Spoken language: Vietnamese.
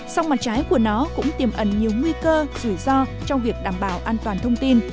sông mặt trái của nó cũng tiềm ẩn nhiều nguy cơ rủi ro trong việc đảm bảo an toàn thông tin